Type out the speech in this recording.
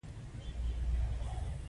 د دې ذرو موقعیت په اتوم کې چیرته وي